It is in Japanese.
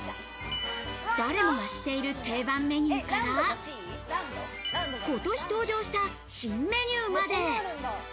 誰もが知っている定番メニューから今年登場した新メニューまで。